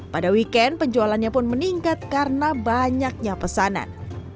pada weekend penjualannya pun meningkat karena banyaknya pesanan